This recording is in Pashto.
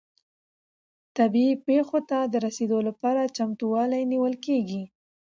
طبیعي پیښو ته د رسیدو لپاره چمتووالی نیول کیږي.